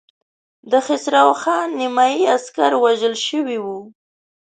د خسرو خان نيمايي عسکر وژل شوي وو.